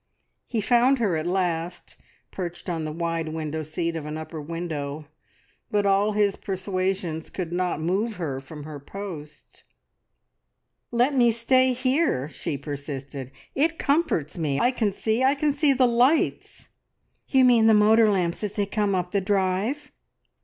He found her at last, perched on the wide window seat of an upper window, but all his persuasions could not move her from her post. "Let me stay here!" she persisted. "It comforts me. I can see I can see the lights!" "You mean the motor lamps as they come up the drive?"